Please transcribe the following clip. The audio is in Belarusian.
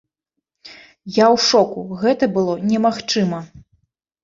Я у шоку, гэта было немагчыма!